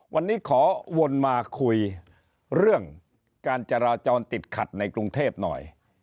วันนี้ขอวนมาคุยเรื่องการจราจรติดขัดในกรุงเทพหน่อย